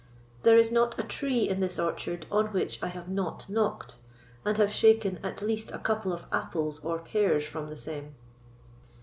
There is not a tree in this orchard on which I have not knocked, and have shaken at least a couple of apples or pears from the same.